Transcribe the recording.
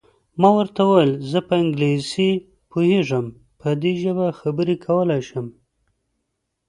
ما ورته وویل: زه په انګلیسي پوهېږم، په دې ژبه خبرې کولای شم.